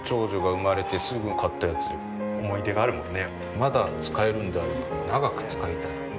まだ使えるんであれば長く使いたい。